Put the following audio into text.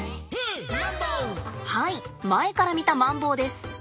はい前から見たマンボウです。